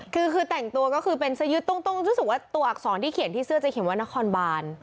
คือคือแต่งตัวก็คือเป็นเสื้อยืดต้องรู้สึกว่าตัวอักษรที่เขียนที่เสื้อจะเขียนว่านครบาน